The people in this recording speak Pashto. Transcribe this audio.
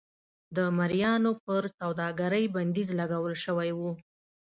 د مریانو پر سوداګرۍ بندیز لګول شوی و.